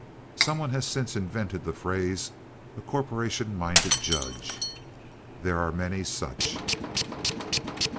Some one has since invented the phrase "a corporation minded judge." There are many such.